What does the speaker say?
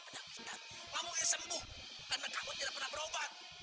tidak kamu sembuh karena kamu tidak pernah berobat